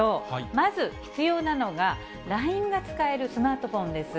まず必要なのが、ＬＩＮＥが使えるスマートフォンです。